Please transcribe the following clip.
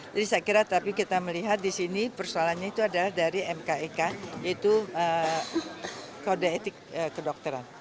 jadi saya kira tapi kita melihat disini persoalannya itu adalah dari mkek yaitu kode etik kedokteran